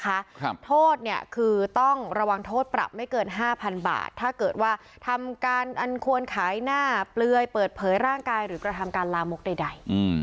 ครับโทษเนี่ยคือต้องระวังโทษปรับไม่เกินห้าพันบาทถ้าเกิดว่าทำการอันควรขายหน้าเปลือยเปิดเผยร่างกายหรือกระทำการลามกใดใดอืม